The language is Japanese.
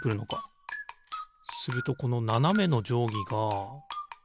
するとこのななめのじょうぎが。